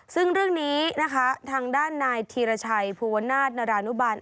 ซึ่งเรื่องนี้นะคะทางด้านนายธีรชัยภูวนาศนรานุบาล